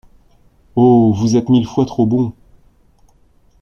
Oh ! vous êtes mille fois trop bon !